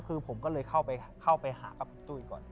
คือผมก็เลยเข้าไปหาพี่ตุ้ยก่อน